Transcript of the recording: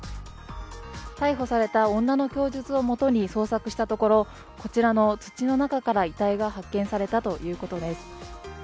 逮捕された女の供述をもとに捜索したところこちらの土の中から遺体が発見されたということです。